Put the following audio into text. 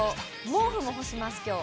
毛布も干します、きょう。